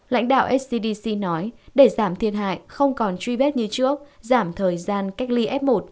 lãnh đạo scdc nói để giảm thiệt hại không còn truy vết như trước giảm thời gian cách ly f một